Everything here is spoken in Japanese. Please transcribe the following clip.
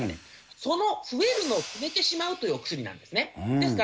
その増えるというのを止めてしまうというお薬なんですね。